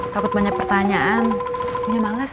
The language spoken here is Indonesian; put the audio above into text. takut banyak pertanyaan ini males